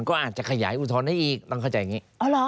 ก็อาจจะขยายอุทธรณ์ได้อีกต้องเข้าใจอย่างนี้